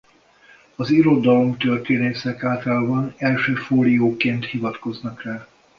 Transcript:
Az irodalomtörténészek általában első fólió-ként hivatkoznak rá.